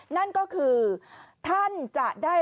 นั่นก็คือท่านจะได้